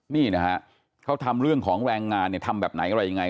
นี่นะฮะเขาทำเรื่องของแรงงานเนี่ยทำแบบไหนอะไรยังไง